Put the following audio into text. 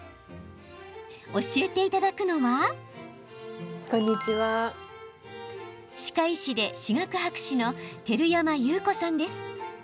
教えていただくのは歯科医師で歯学博士の照山裕子さんです。